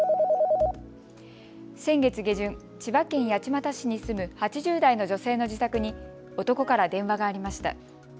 先月下旬、千葉県八街市に住む８０代の女性の自宅に男から電話がありました。